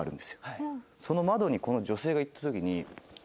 その窓にこの女性が行った時に。